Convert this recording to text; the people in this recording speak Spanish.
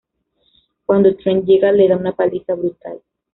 Cuando Trent llega, le da una paliza brutal.